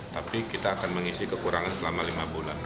tapi kita akan mengisi kekurangan selama lima bulan